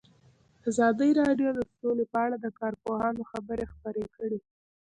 ازادي راډیو د سوله په اړه د کارپوهانو خبرې خپرې کړي.